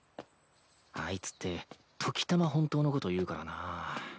あいつって時たま本当のこと言うからな